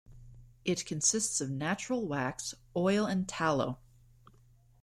It consists of natural wax, oil and tallow.